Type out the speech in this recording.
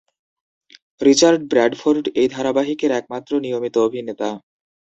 Richard Bradford এই ধারাবাহিকের একমাত্র নিয়মিত অভিনেতা।